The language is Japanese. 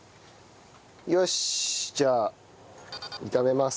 よしじゃあ炒めます。